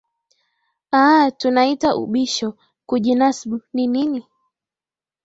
aa tunaita ubisho kujinasb ni nini